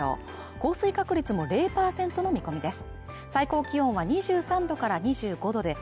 降水確率も０％の見込みです